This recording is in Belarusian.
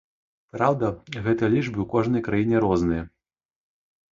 Праўда, гэтыя лічбы ў кожнай краіне розныя.